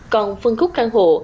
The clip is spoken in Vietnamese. còn phân khúc căn hộ